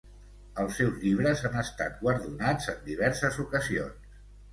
Els seus llibres han estat guardonats en diverses ocasions.